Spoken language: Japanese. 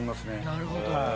なるほど。